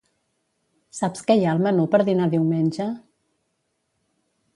Saps què hi ha al menú per dinar diumenge?